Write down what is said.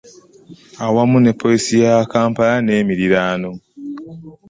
Awamu ne poliisi ya Kampala n'emiriraano